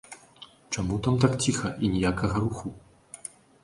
Чаму там так ціха і ніякага руху?